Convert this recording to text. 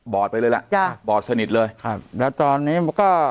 อดไปเลยล่ะจ้ะบอดสนิทเลยครับแล้วตอนนี้ก็